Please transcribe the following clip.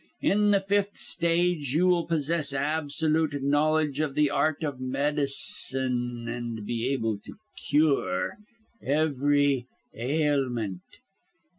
"In the fifth stage you will possess absolute knowledge of the art of medicine and be able to cure every ailment.